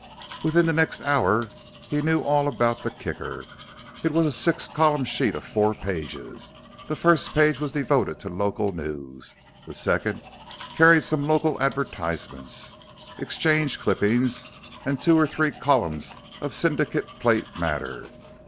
Within the next hour he knew all about the Kicker. It was a six column sheet of four pages. The first page was devoted to local news. The second carried some local advertisements, exchange clippings, and two or three columns of syndicate plate matter.